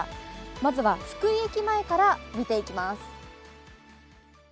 まずは福井駅前から見ていきます。